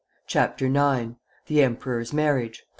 _] CHAPTER IX. THE EMPEROR'S MARRIAGE.